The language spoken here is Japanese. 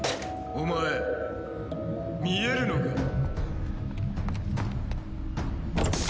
お前見えるのか？